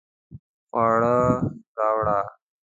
خواړه راوړه